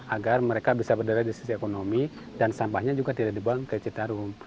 agar mereka bisa berdarah di sisi ekonomi dan sampahnya juga tidak dibuang ke citarum